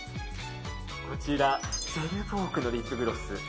こちら、セルヴォークのリップグロス。